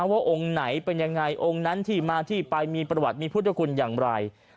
ว่าองค์ไหนเป็นยังไงองค์นั้นที่มาที่ไปมีประวัติมีพุทธคุณอย่างไร